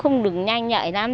không đứng nhanh nhạy lắm